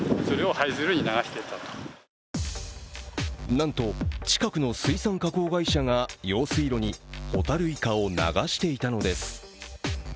なんと、近くの水産加工会社が用水路にホタルイカを流していたのです。